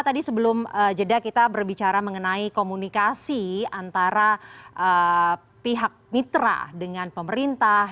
tadi sebelum jeda kita berbicara mengenai komunikasi antara pihak mitra dengan pemerintah